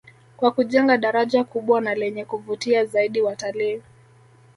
Kwa kujenga daraja kubwa na lenye kuvutia zaidi watalii